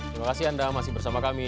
terima kasih anda masih bersama kami